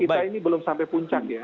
kita ini belum sampai puncak ya